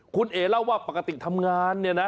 คุณเอ๋เล่าว่าปกติทำงานเนี่ยนะ